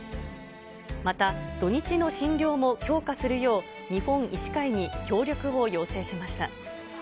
また土日の診療も強化するよう、日本医師会に協力を要請しました。